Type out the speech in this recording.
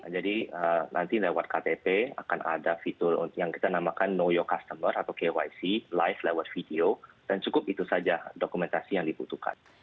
jadi nanti lewat ktp akan ada fitur yang kita namakan know your customer atau kyc live lewat video dan cukup itu saja dokumentasi yang dibutuhkan